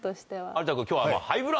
有田君今日は。